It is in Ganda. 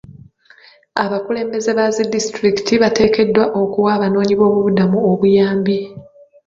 Abakulembeze ba zidisitulikikiti bateekeddwa okuwa abanoonyi b'obubuddamu obuyambi .